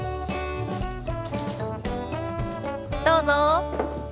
どうぞ。